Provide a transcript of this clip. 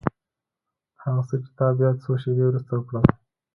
هغه څه چې تا بيا څو شېبې وروسته وکړل.